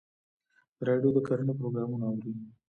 د راډیو د کرنې پروګرامونه اورئ؟